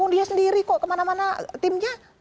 dia sendiri kok kemana mana timnya